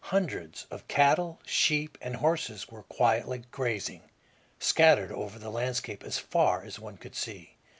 Hundreds of cattle, sheep, and horses were quietly grazing, scattered over the landscape as far as one could see.